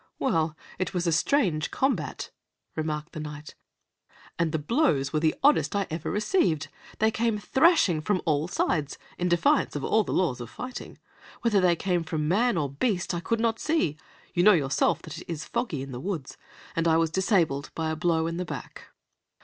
"Well, it was a strange combat," remarked the Knight, "and the blows were the oddest I ever received. They came thrashing from all sides, in defiance of all the laws of fighting. Whether they came from man or beast I could not see you know yourself that it is foggy in the woods, and I was disabled by the blow in the back."